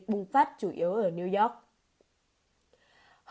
các bệnh tưởng cũng phát chủ yếu ở new york